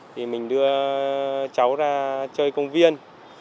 thì mình đưa cháu ra chơi công viên